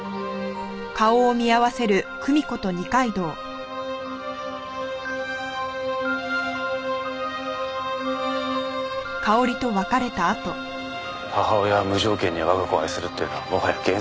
母親は無条件に我が子を愛するっていうのはもはや幻想だな。